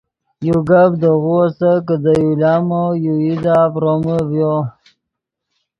یو گپ دے غو استت کہ دے یو لامو یو ایدا ڤرومے ڤیو